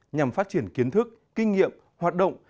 nhằm phát triển kiến thức kinh nghiệm hoạt động